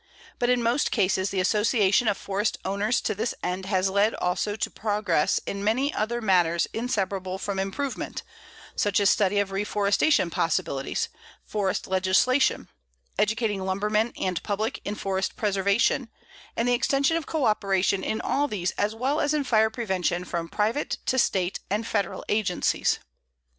But in most cases the association of forest owners to this end has led also to progress in many other matters inseparable from improvement, such as study of reforestation possibilities, forest legislation, educating lumberman and public in forest preservation, and the extension of coöperation in all these as well as in fire prevention from private to State and federal agencies.